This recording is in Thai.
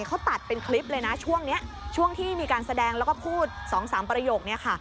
เขาตัดเป็นคลิปเลยนะช่วงนี้ช่วงที่มีการแสดงแล้วก็พูด๒๓ประโยคเนี่ยค่ะ